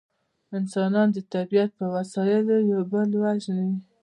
انسانان د طبیعت په وسایلو یو بل وژني